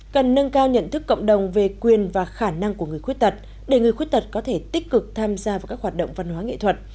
cần nâng cao nhận thức cộng đồng về quyền và khả năng của người khuyết tật để người khuyết tật có thể tích cực tham gia vào các hoạt động văn hóa nghệ thuật